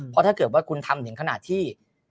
เพราะถ้าว่าคุณทำอย่างขนาดที่